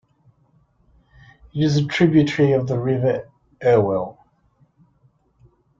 It is a tributary of the River Irwell.